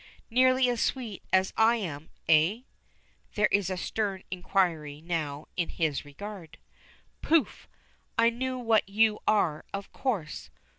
"Nearly as sweet as I am, eh?" There is stern inquiry now in his regard. "Pouf! I know what you are, of course.